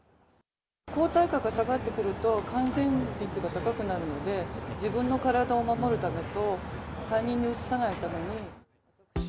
抗体価が下がってくると、感染率が高くなるので、自分の体を守るためと、他人にうつさないために。